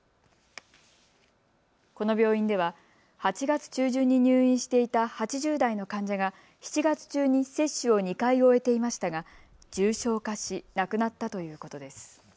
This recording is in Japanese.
この病院では８月中旬に入院していた８０代の患者が７月中に接種を２回終えていましたが重症化し亡くなったということです。